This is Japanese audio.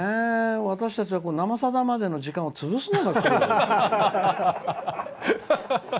私たちは「生さだ」までの時間を潰すのが大変。